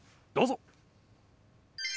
どうぞ。